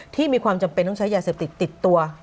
ที่มีความจำเป็นต้องใช้ยาเสพติดติดตัว